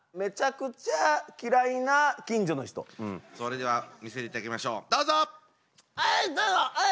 それでは見せていただきましょうどうぞ！